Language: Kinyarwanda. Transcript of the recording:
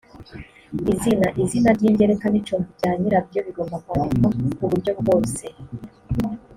izina izina ry ingereka n icumbi bya nyirabyo bigomba kwandikwa ku buryo bwose